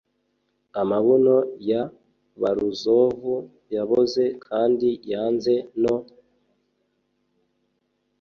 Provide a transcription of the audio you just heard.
amabuno ya Baruzovu yaboze kandi yanze no